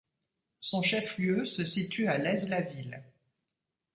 Son chef-lieu se situe à Laize-la-Ville.